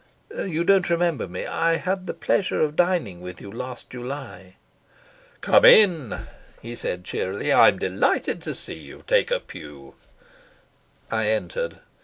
"You don't remember me. I had the pleasure of dining with you last July." "Come in," he said cheerily. "I'm delighted to see you. Take a pew." I entered.